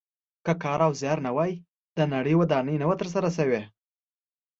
که کار او زیار نه وای د نړۍ ودانۍ نه وه تر سره شوې.